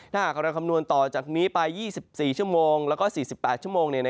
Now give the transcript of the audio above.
ถ้าหากเราคำนวณต่อจากนี้ไป๒๔ชั่วโมงแล้วก็๔๘ชั่วโมง